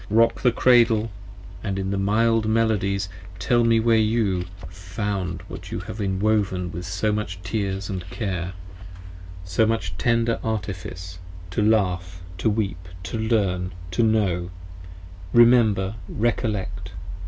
Rock the Cradle, and in mild melodies tell me where [you] found What you have en woven with so much tears & care! so much 65 Tender artifice! to laugh, to weep, to learn, to know: 25 Remember! recollect!